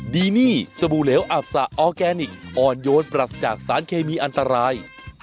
ดีนี่สบู่เหลวอับสะออร์แกนิคอ่อนโยนปรัสจากสารเคมีอันตราย